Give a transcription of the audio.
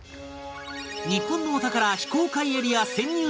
日本のお宝非公開エリア潜入